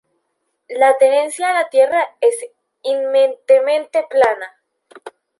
La tenencia de la tierra es eminentemente privada.